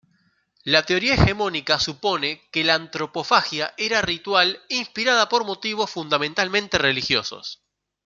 La teoría hegemónica supone que la antropofagia era ritual, inspirada por motivos fundamentalmente religiosos.